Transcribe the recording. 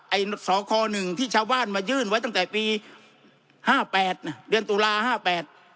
ไอ้สอคอหนึ่งที่ชาวบ้านมายื่นไว้ตั้งแต่ปีห้าแปดน่ะเดือนตุลาห้าแปด